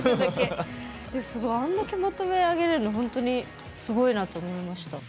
すごい、あんだけまとめ上げられるのすごいと思いました。